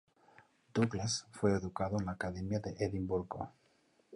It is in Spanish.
Douglas fue educado en la Academia de Edimburgo.